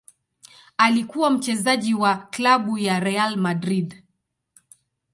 Alikuwa mchezaji wa klabu ya Real Madrid.